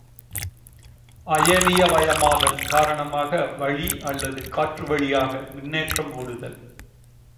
அயனிவயமாதல் காரணமாக வளி அல்லது காற்றுவழியாக மின்னேற்றம் ஒடுதல்.